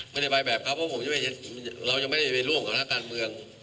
ไม่ได้บรรยาบครับเรายังไม่ได้ร่วมกับหน้าการเมือง